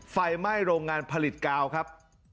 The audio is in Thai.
ไฟไหม้โรงงานผลิตกาวครับ